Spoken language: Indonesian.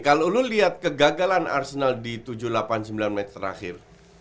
kalau lo liat kegagalan arsenal di tujuh delapan sembilan match terakhir